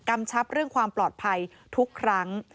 ชับเรื่องความปลอดภัยทุกครั้ง